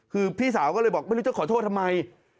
คือพี่สาวก็เลยบอกไม่รู้จะขอโทษทำไม